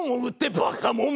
バカもん！